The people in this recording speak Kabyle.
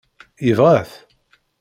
Yebɣa-t?